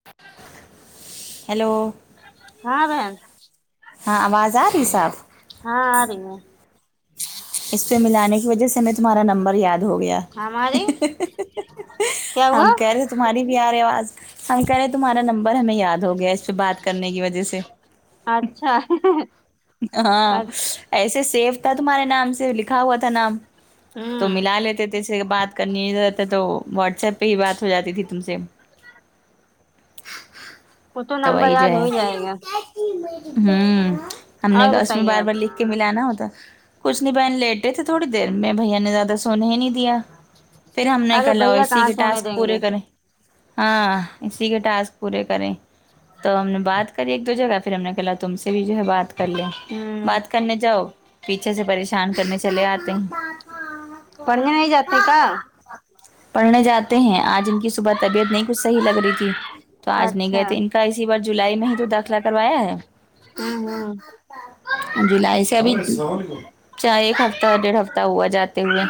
[inaudible] Hello ہاں بہن ہاں آواز آ ری صاف ہاں آرہی ہے اس پہ ملانے کی وجہ سے میں تمہارا نمبر یاد ہو گیا ہماری کیا ہوا ہم کہہ رہے تمہاری بھی آرہی آواز ہم کہہ رہے تمہارا نمبر ہمیں یاد ہو گیا اس پہ بات کرنے کی وجہ سے اچھا ہاں ایسے سیف تھا تمہارے نام سے لکھا ہوا تھا نام تو ہوں ملا آ لیتے تھے اس سے بات کرنی تھی تو واٹس ایپ پہ ہی بات ہو جاتی تھی تم سے وہ تو نمبر وہی جو یاد ہو ہے ہی جائے گا ہوں ہم نے اور کہا اس میں بتائیے بار بار آپ لکھ کہ ملانا ہوتا اپنی بہن لیٹے تھے تھوڑی دیر میں بھیا نے زیادہ سونے ہی نہیں دیا پھر ہم نے ارے کہا لاؤ بھیا اسی کہاں کے سونے ٹاسک دیں گے پورے کریں ہاں اسی کے ٹاسک پورے کریں تو ہم نے بات کری ایک دو جگہ پھر ہم نے کہلا تم سے بھی جو ہے بات کر لیں ہوں بات کرنے جاؤ پیچھے سے پہ شان کرنے چلے آتے ہیں پڑھنے نہیں جاتے کا پڑھنے جاتے ہیں آج ان کی صبح طبیعت نہیں کچھ صحیح لگ رہی تھی تو آج نہیں گئے اچھا تھے ان اسی بار جولائی میں ہی تو داخلہ کروایا ہے ہوں ہوں جولائی سے ابھی چاہ ایک ہفتہ ڈیڑھ ہفتہ ہوا جاتے ہوئے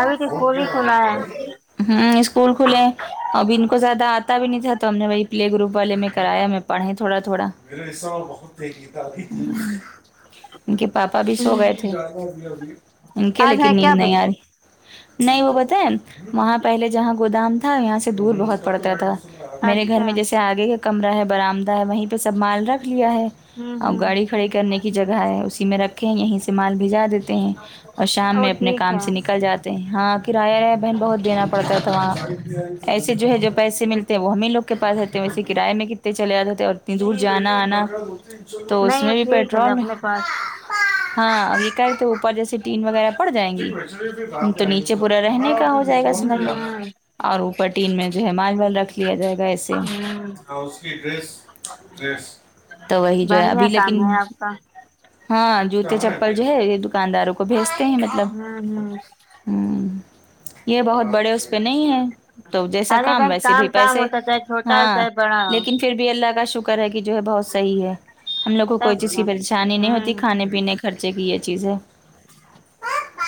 ابھی تو اسکول ہی کھلا ہے ہوں اسکول کھلا ابھی ان کو زیادہ آتا بھی نہیں تھا تو ہم نے وہی پلے گروپ والے میں کرایا ہمیں پڑھا ہے تھوڑا تھوڑا ان کے پاپا بھی سو ہوں گئے تھے ان کے آج ہے لیکن کیا نیند نہیں بھیا آ رہی نہیں وہ بتا ہے وہاں پہلے جہاں گودام تھا یہاں سے دور بہت پڑتا تھا میرے گھر اچھا میں جیسے آگے کا کمرہ ہے برآمد ہے وہیں پہ سب مال رکھ لیا ہے ہوں اور ہوں گاڑی کھڑی کرنے کی جگہ ہے اسی میں رکھ یہیں سے مال بھیجا دیتے ہیں اور شام او میں اپنے ٹھیک کام ہے سے نکل جاتے ہیں ہاں کرایہ ہے بہن بہت دینا پڑتا تھا وہاں ایسے جو ہے جو پیسے ملتے ہیں وہ ہم ہی لوگ کے پاس رہتے ہیں ویسے کرائے اے میں کتے چلے آتے تھے اور اتنی دور جانا آنا تو اس نہیں وہ میں بھی ٹھیک ہے پیٹرول اپنے پاس ہاں ا کا ہے تو اوپر جیسے ٹین وغیرہ پڑ جائیں گی تو نیچے پورا رہنے کا ہو جائے گا سمجھ ہوں لو ہوں اور اوپرٹین میں جو ہے مال وال رکھ لیا جائے گا ایسے ہوں ہاں اس کی ڈریس ڈریس تو وہی جو ہے بڑھیا ابھی کام لیکن ہے آپ کا ہاں جوتے چپل جو ہے یہ دکانداروں کو بھیجتے ہیں مطلب ہوں ہوں ہوں یہ بہت بڑے اس پہ نہیں ہیں تو جیسا ارے کام بہن ویسے بھی کام پیسے ہوتا ہے، چاہے چھوٹا ہو ہاں چاہے بڑا ہو لیکن پھر بھی اللہ کا شکر کر ہے کہ جو ہے بہت صحیح ہے ہم لوگ کو کوئی چیز سب کی پریشانی نہیں ہوں ہوتی کھ کھانے پینے خرچے کی یہ چیزیں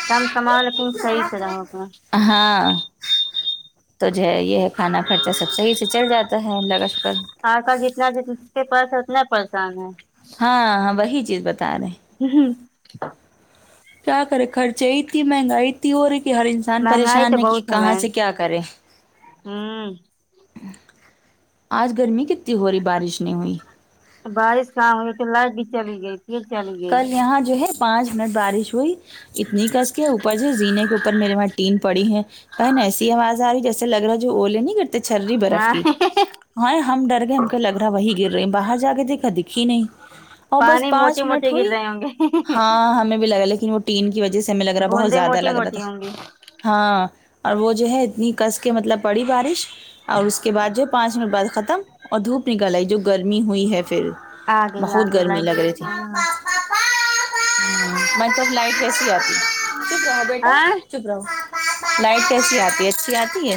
کم کمال کم صحیح سے رہو تم ہاں تو جو ہے یہ ہے کھانا خرچہ سب صحیح سے چل جاتا ہے الله کا شکر آج کا جتنا جسکے پاس ہے اتنا پریشان ہے ہاں ہاں وہی چیز بتا رہے ہیں ہ ہ کیا کرے خرچے اتنی مہنگائی اتتی ہو رہی کہ ہر انسان مہنگائی تو پریشان ہے کہ بہت کہاں بہن سے کیا کرے ہوں آج گرمی کتتی ہو رہی بارش نہیں ہوئی بارش کہاں ہوئی تو لائٹ بھی چلی گئی پھر چلی کل گئی یہاں جو ہے پانچ منٹ بارش ہوئی اتنی کس کے اوپر سے زینے کے اوپر میرے وہاں ٹین پڑی ہے بہن ایسی آواز آ رہی ہے جیسے لگ رہا ہے جو اولے نہیں کرتے چھری برف ہاں کی ہاے ہم ڈر گئے ہم کہ لگ رہا ہے وہی گر رہے باہر جا کے دیکھا دکھی نہیں اور بس پانی پانچ موٹے منٹ موٹے گر ہوئی رہے ہوں گے ہاں ہمیں بھی لگا لیکن وہ ٹین کی وجہ سے ہمیں لگارا بہت بوندے زیادہ موٹی لگ رہا تھا موٹی ہوں گی ہاں اور وہ جو ہے اتنی کس کے مطلب پڑی بارش اور اس کے بعد جو ہے پانچ منٹ بعد ختم اور دھوپ نکال آئی جو گرمی ہوئی ہے فھر آ گئی آ بہت گئی گرمی لائٹ لگ رہی تھی ہاں ہون منچ لائٹ وسی آتی چپ رہو بیٹا ہاں چپ لائٹ کیسی آتی ہے ا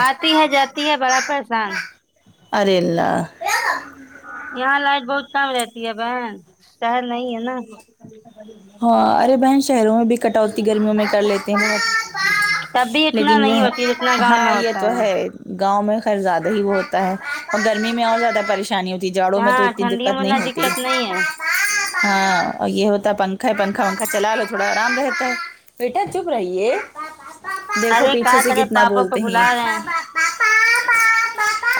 آتی ہے جاتی ہے بڑا پریشان ارے اللہ یہاں لائٹ بہت کم رہتی ہے بہن شہر نہیں ہے نا ہاں ارے بہن شہروں میں بھی کٹوتی گرمیوں میں کر لیتے ہیں بہت [unintelligible] تبھی اتنا لیکن یہ نہیں ہوتی جتنا ہے گاؤں میں ہاں یہ ہوتا تو ہے گاؤں میں خیر زیادہ ہی وہ ہوتا ہے اور گرمی میں اور زیادہ پریشانی ہو جی جاڑوں میں تو ہاں اتنی ٹھنڈیوں دقت میں نہیں اتنا ہوتی دقت نہیں ہے ہاں اور یہ ہوتا پن پنکھا پنکھا ونکھا چلا لو تھوڑا آرام رہتا ہے بیٹے چپ رہیے دیکھو ارے پیچھے کہا سے تیرے کتنا پاپا کو بولتے ہیں بلا یہ رہے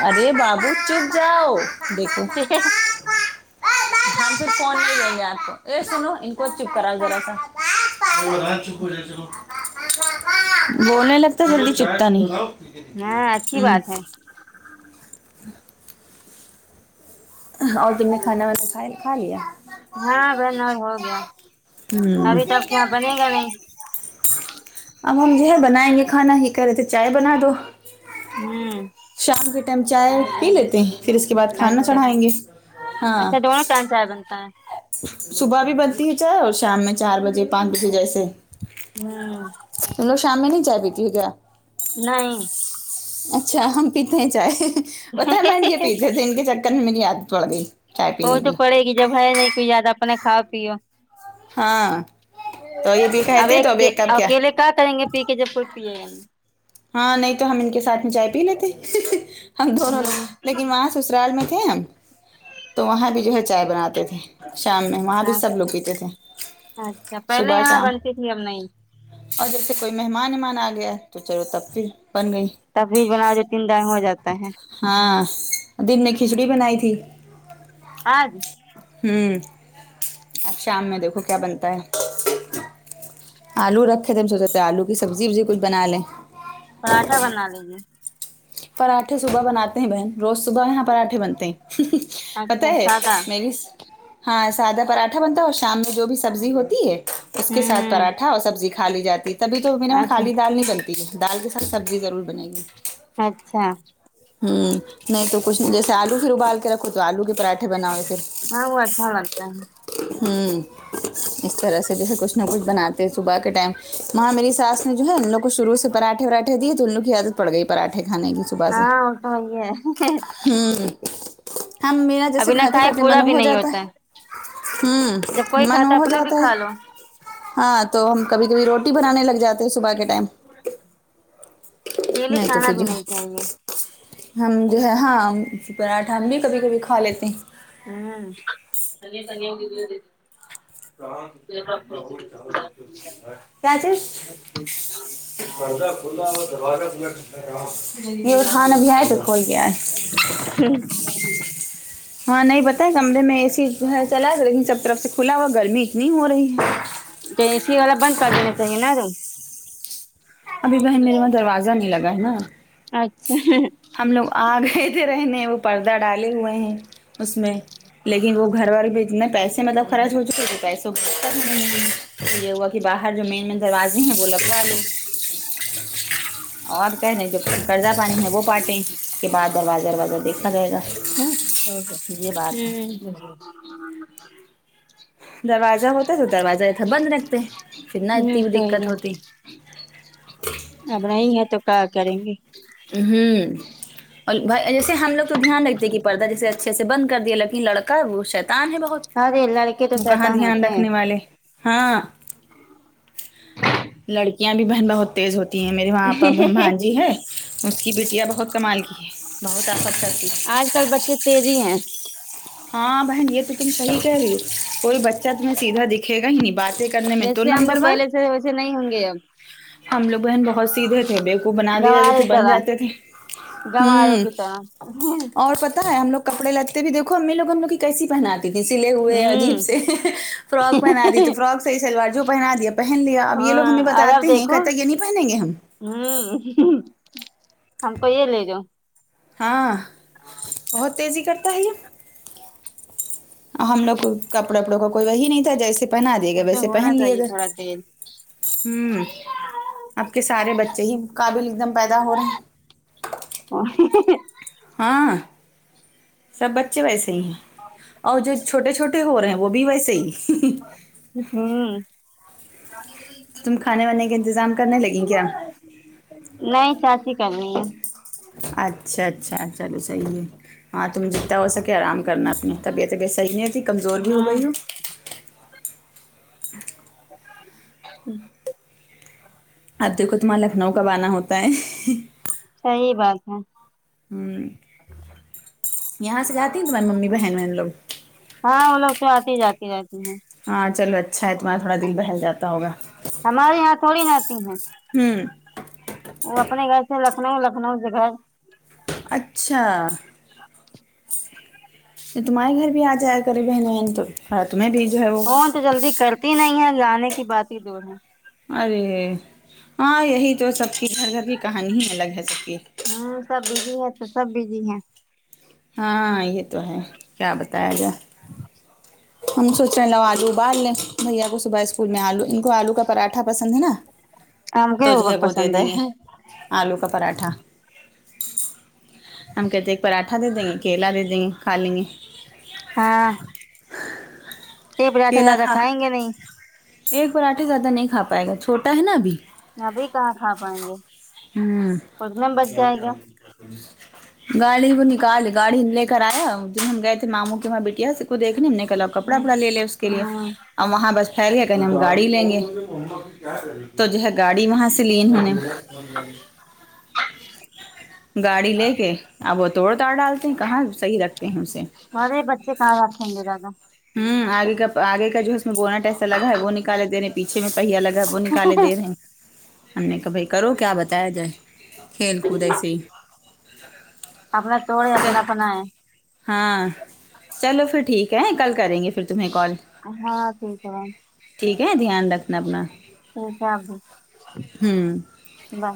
ارے بابو چپ جاؤ دیکھو ہیں ہم پھر فون نہیں دینگے آپ کو ا سنو کو چپ کراؤ ذرا سا بونے لگتا جلدی چکتا نہیں ہاں اچھی ہوں بات ہے آ ہ اور تم نے کھانا وانا کھائے کھا لیا ہاں بہن اب ہو گیا ہوں ابھی تب کیا بنے گا نہیں اب ہم جو ہے بنائیں گے کھانا ہی کہہ رہے تھے چائے بنا دو ہوں شام کے ٹائم چائے پی لیتے ہیں پھر اس کے بعد کھانا اچھا چڑھائیں گے ہاں اچھا دونوں ٹائم چائے بنتا ہے صبح بھی بنتی ہے چائے اور شام میں چار بجے پانچ بجے جیسے ہوں تم نہ شام میں بھی چائے پیتی ہو کیا نہیں اچھا ہم پیتے ہیں چائے ہتہ میں ان کے پیتے تھے کے چکر میں میری عادت پڑ گئی چائے وہ پینے تو کی پڑے گی جب ہے نہیں کوئی زیادہ اپنا کھاؤ پیو ہاں تو یہ بھی کہے اب تھے تو ایک کے کپ اکیلے کیا کریں گے پی کے جب کوئی پیگا نہی ہاں نہیں تو ہم ان کے ساتھ میں چائے یی لیتے ہم دونوں ہوں لوگ لیکن وہاں سسرال میں تھے ہم تو وہاں بھی جو ہے چائے بناتے تھے شام میں وہاں بھی سب لوگ پیتے تھے اچھا پہلے صبح یہاں شام بنتی تھی اب نہیں اور جیسے کوئی مہمان ومان آ گیا تو چلو تب پھر بن گئی تب یج بنا دیتی ہوں ٹائم ہوجاتا ہے ہاں دن میں کھچڑی بنائی تھی آج ہوں اب شام میں دیکھو کیا بنتا ہے آلو رکھے تھے ہم سوچے آلو کی سبزی وبزی کچھ بنا لیں پراٹھا بنا لیجئے پراھٹے صبح بنا تی بہن روز صبح یہاں پراٹھے بنتے ہیں پتہ اچھا ہے سادہ میری ہاں سادہ پراٹھا بنتا ہے اور شام میں جو بھی سبزی ہوتی ہے اس کے ہوں ساتھ ہوں پراٹھا اور سبزی کھا لی جاتی تبھی توا وہاں اچھا خالی دال نہیں بنتی بنتی دال کے ساتھ سبزی ضرور بنے گی اچھا ہوں نہیں تو کچھ نہیں جیسے آلو پھر ابال کے رکھو تو آلو کے پراٹے کھے بناو پھر ہاں وہ اچھا لگتا ہے ہوں اس طرح سے جیسے کچھ نہ کچھ بناتے صبح کے ٹائم وہاں میری ساس نے جو ہے ن ان لوگ کو شروع سے پراھے واٹے دیے تو اننوں کی عادت پڑ گئی پراٹھے کھانے کی تو ہاں وہ سمجھ گئے ہوں ہم میرا جیسے ابھی نہ کھاتے کھائے کھاتے پورا من وہ بھی ہو نہیں جاتا ہوتا ہے ہم جب کوئی منو کھاتا ہو اپنا بھی جاتا ہے کھا لو ہاں تو ہم کبھی کبھی روٹی بنانے لگ جاتے ہیں صبح کے ٹائم ڈیلی نہیں تو کھانا پھر بھی جو ہے نہیں چاہیے ہم جو ہے ہاں پراٹھا ہم بھی کبھی کبھی کھا لیتے ہیں ہوں بگے بن ہو گ کیا چیز [inaudible] یورہن ابھی اے تو کھول کے اے ہوں ہاں نہیں پتا ہے کمرے میں اے سی ہے چلا گ لیکن سب طرف سے کھلا ہوا گرمی اتنی ہو رہی ہے تو اے سی والا بند کر دینا چاہیے نہ روم ابھی بہن میرے وہاں دروازہ نہیں لگا ہے نا اچھا اگئے تھے رہنے وہ پردہ ڈالے ہوئے ہیں اس میں لیکن وہ گھر والے بھی اتنے پیسے مطلب خرچ ہو چکے تھ پیسے تو یہ ہوا کہ باہر جو مین مین دروازے ہیں وہ لگوا لو [inaudible] اور کہہ رہیں جو قرضہ پانی ہے وہ پاٹیں اس کے بعد دروازہ دروازہ دیکھا جائے گا یہ بات ہے اوکے [inaudible] دروازہ ہوتا تو دروازہ ای ادھر بند رکھتے پھر نہ اتنی تو دقت ہوتی یہ اب نہیں ہے تو کیا کریں گے ہوں اور جیسے ہم لوگ تو دھیان رکھتے ہیں کہ پردہ جیسے اچھے سے بند کر دیا لیکن لڑکا وہ شاید تان ہے بہت ارے لڑکے تو وہ کہاں شیطان دھیان ہوتے ہیں رکھنے والے ہاں لڑکیاں بھی بہن بہت تیز ہوتی ہیں میرے وہاں پر بھانجی ہے اس کی بیٹیاں بہت استعمال کی ہے بہت آفت کرتی ہے آج کل بچے تیزی ہیں ہاں بہن یہ تو صحیح کہہ رہی ہو کوئی بچہ تمہیں سیدھا دکھے گا ہی نہیں باتیں کرنے میں تو جیسے ہم نمبر لوگ ون پہلے تھے ویسے نہیں ہوں گے اب ہم لوگ بہن بہت سیدھے تھے بے وہ بنا دیا جاتے تھے گوارے بن طرح جاتے تھے گواروں ہوں کی طرح ہوں اور پتا ہے ہم لوگ کپڑے لتے بھی دیکھو ہمیں امی لوگ کیسی بنات اس لے ہوئے عجیب سے فرک پہنا دی تو فرک صحیح سلوار جو پہنا دی پہن لیا اب یہ لو ہمیں ہاں اور اب بتاتے ہیں کہ دیکھو تک یہ نہیں پہنیں گے ہم ہوں ہم کوئیے لے جاؤ ہاں بہت تیزی کرتا ہے یہ اور ہم لوگ کپڑے وپڑوں کا کوئی وہی نہیں تھا جیسے پہنا دیے گا وہ تو ویسے ہونا پہن لیے چاہیے گا تھوڑا تیل ہوں اب کے سارے بچے ہی قابل ایک دم پیدا ہو رہے ہیں اور ہی۔ ہی۔ ہی ہاں سب بچے ویسے ہی ہیں اور جو چھوٹے چھوٹے ہو رہے ہیں وہ بھی ویسے ہی ہنں ہنں ہوں ہوں تم کھانے وانے کے انتظام کرنے لگیی کیا نہیں چاچی کری ہے اچھا اچھا چلو صحیح ہے ہاں تم جتنا ہو سکے آرام کرنا طبیعت ابیت صحیح نہیں ہوی کمزور بھی ہو ہاں گئی ہوں [inaudible] آب دیکھو تمھیں لکھنؤ کب آنا ہوتا ہے صحیح بات ہے یہاں سے جاتی ہیں تمہاری ممی بہن وہن لوگ ہاں وہ لوگ تو آتے جاتے رہتی ہیں ہاں چلو اچھا ہے تمہارا تھوڑا دل بہل جاتا ہوگا ہمارے یہاں تھوڑی نا آتی ہیں ہوں وہ اپنے گھر سے لکھنؤ لکھنؤ سے گھر اچھا یہ تمہارے گھر بھی آ جائے کری بہن ہے تو ہاں تمہیں بھیجا ہے وہ فون تو جلدی کرتی نہیں ہے جانے کی بات ہی دور ہے ارے ہاں یہی تو سب کی گھر گھر کی کہانی ہی الگ ہے سب کی ہوں سب بزی ہے تو سب بزی ہے ہاں یہ تو ہے کیا بتاے گا [inaudible] ہم سوچ رہے ہیں لو آلو ابال لیں بھیا کو صبح اسکول میں آلو ان کو آلو کا پراٹھا پسند ہے نا آم کے تو جو ہے اوپر وہ دے پسند دیں گے ہے آلو کا پراٹھا ہم کہتے ایک پراٹھا دے دیں گے کیلا دے دیں گے کھا لیں گے ہاں یہ پراٹھا کیلا زیادہ کھا کھائیں گے نہیں ایک پراٹھے زیادہ نہیں کھا پائے گا چھوٹا ہے نا ابھی ابھی کہاں کھا پائیں گے اتنے میں بچ جائے گا ہوں گاڑی وہ نکال گاڑی لے کر آیا جن ہم گئے تھے ماموں کے وہاں بیٹیا اس کو دیکھنے ہم نے کلب ہوں کپڑاوپڑا لے لے اس کے لیے ہوں اب وہاں بس پھیل گیا کہیں ہم گاڑی لیں گے تو جو ہے گاڑی وہاں سے لی انہوں نے گاڑی لے کے اب وہ توڑتاڑ ڈال تم کہاں صحیح رکھتے ہیں اسے ارے بچے کہاں رکھیں گے زیادہ ہوں آگے کا آگے کا جو ہے اس میں بوناٹ ایسا لگا ہے وہ نکالے دینے پیچھے میں پہیا لگا وہ نکالے دے رہے ہم نے کہ بھائی کرو کیا بتایا جائے کھیل کود ایسے ہی [inaudible] اپنا توڑے اپنا اپنا ہے ہاں چلو پھر ٹھیک ہے کل کریں گے پھر تمہیں کال ہاں صحیح کہا ٹھیک ہے دھیان رکھنا اچھا اپنا جیسا ابھی ہوں بائے